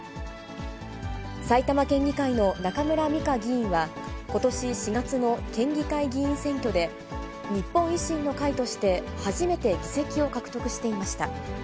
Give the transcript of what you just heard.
埼玉県議会の中村美香議員は、ことし４月の県議会議員選挙で、日本維新の会として初めて議席を獲得していました。